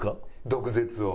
毒舌を。